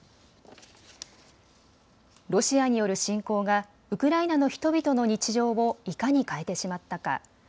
ロシアによる侵攻がウクライナの人々の日常をいかに変えてしまったか。